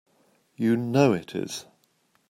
You know it is!